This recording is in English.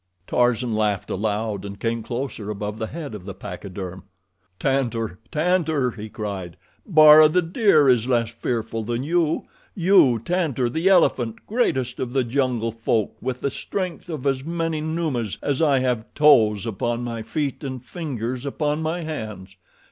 Tarzan laughed aloud and came closer above the head of the pachyderm. "Tantor! Tantor!" he cried. "Bara, the deer, is less fearful than you you, Tantor, the elephant, greatest of the jungle folk with the strength of as many Numas as I have toes upon my feet and fingers upon my hands.